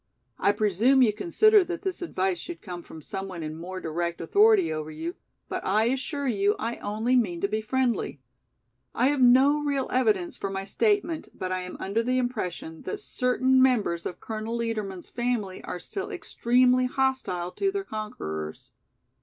I presume you consider that this advice should come from some one in more direct authority over you, but I assure you I only mean to be friendly. I have no real evidence for my statement, but I am under the impression that certain members of Colonel Liedermann's family are still extremely hostile to their conquerors.